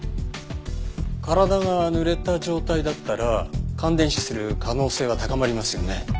体が濡れた状態だったら感電死する可能性は高まりますよね。